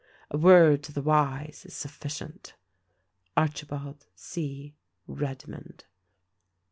"A word to the wise is sufficient ! "ARCHIBALD C. REDMOND."